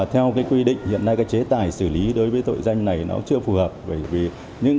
hoặc tử vong